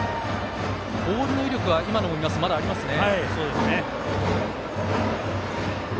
ボールの威力は今のを見ると、まだありますね。